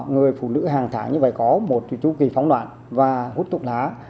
người phụ nữ hàng tháng như vậy có một chu kỳ phóng loạn và hút thuốc lá